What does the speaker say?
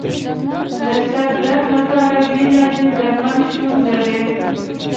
د سر درد لپاره بېلابېل درمل شتون لري.